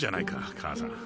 母さん。